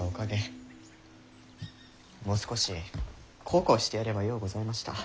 もう少し孝行してやればようございました。